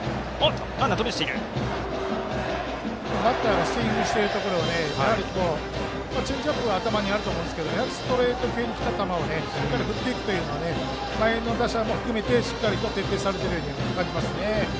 バッターがスイングしているところチェンジアップが頭にあると思いますけどストレート系できた球を振っていくのは前の打者も含めて、しっかり適応されているようになりますね。